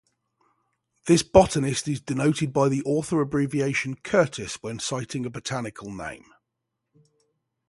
This botanist is denoted by the author abbreviation Curtis when citing a botanical name.